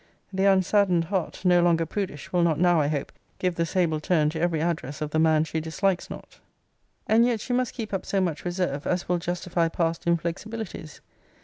The unsaddened heart, no longer prudish, will not now, I hope, give the sable turn to every address of the man she dislikes not. And yet she must keep up so much reserve, as will justify past inflexibilities.